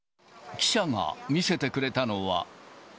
記者が見せてくれたのは。